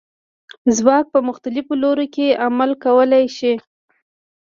ځواک په مختلفو لورو کې عمل کولی شي.